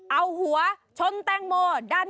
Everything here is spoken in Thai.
เอาหัวชนแต่งโหม